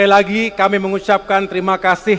sekali lagi kami mengucapkan terima kasih